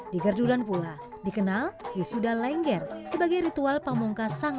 di geduren pula dikenal hisudal lengger sebagai ritual pamungkas sang lengger